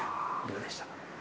どうでしたか？